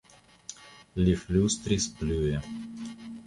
Li flustris plue.